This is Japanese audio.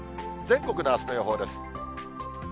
全国のあすの予報です。